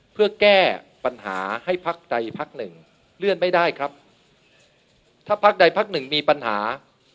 เพื่อแก้ปัญหาให้พักใดพักหนึ่งเลื่อนไม่ได้ครับถ้าพักใดพักหนึ่งมีปัญหา